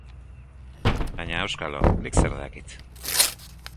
Baina, auskalo, nik zer dakit.